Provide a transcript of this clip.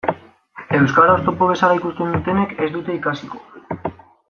Euskara oztopo bezala ikusten dutenek ez dute ikasiko.